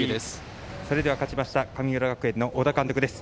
それでは勝ちました神村学園の小田監督です。